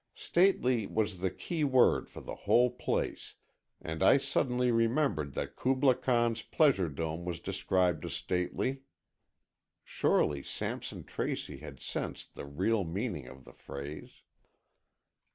Stately was the key word for the whole place, and I suddenly remembered that Kubla Khan's Pleasure Dome was described as stately. Surely, Sampson Tracy had sensed the real meaning of the phrase.